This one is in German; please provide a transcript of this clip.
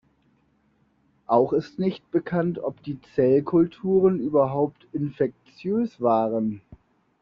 Auch ist nicht bekannt, ob die Zellkulturen überhaupt infektiös waren.